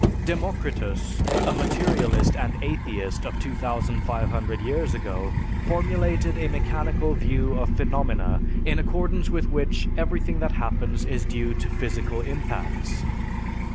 Democritus, a materialist and atheist of 2500 years ago, formulated a mechanical view of phenomena in accordance with which everything that happens is due to physical impacts.